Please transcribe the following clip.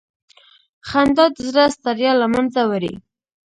خندا د زړه ستړیا له منځه وړي.